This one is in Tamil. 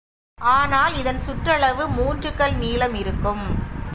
ஆனால் இதன் சுற்றளவு மூன்று கல் நீளம் இருக்கும்.